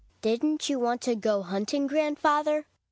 Didn't you want to go hunting, grand father